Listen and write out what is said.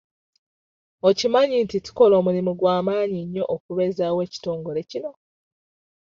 Okimanyi nti tukola omulimu gwa maanyi nnyo okubeezaawo ekitongole kino?